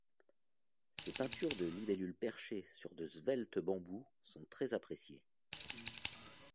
Ses peintures de libellules perchées sur de sveltes bambous, sont très appréciées.